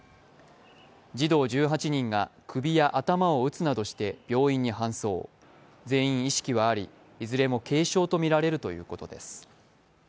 児童１８人が首や頭を打つなどして病院に搬送、全員意識はありいずれも軽傷とみられるということです。